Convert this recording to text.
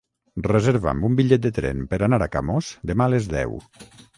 Reserva'm un bitllet de tren per anar a Camós demà a les deu.